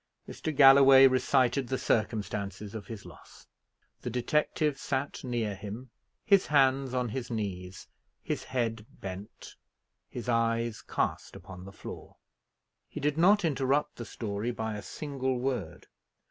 Mr. Galloway recited the circumstances of his loss. The detective sat near him, his hands on his knees, his head bent, his eyes cast upon the floor. He did not interrupt the story by a single word.